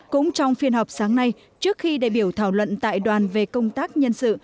cũng trong phiên họp sáng nay trước khi đại biểu thảo luận tại đoàn về công tác nhân sự